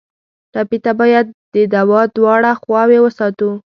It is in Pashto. ټپي ته باید د دوا دواړه خواوې وساتو.